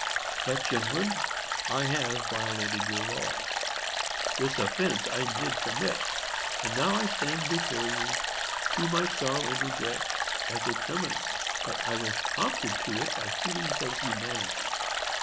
But, gentlemen, I have violated your laws. This offence I did commit; and I now stand before you, to my sorrow and regret, as a criminal. But I was prompted to it by feelings of humanity.